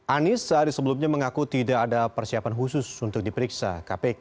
anies sehari sebelumnya mengaku tidak ada persiapan khusus untuk diperiksa kpk